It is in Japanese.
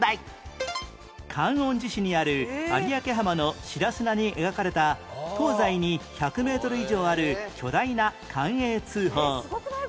観音寺市にある有明浜の白砂に描かれた東西に１００メートル以上ある巨大な寛永通宝えっすごくない？